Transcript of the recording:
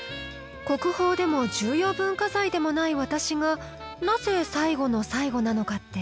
国宝でも重要文化財でもない私がなぜ最後の最後なのかって？